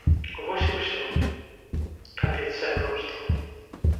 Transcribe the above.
Вось і ўсё, капец сяброўству.